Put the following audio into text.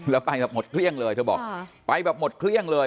แล้วไปแบบหมดเครื่องเลยเธอบอกไปแบบหมดเครื่องเลย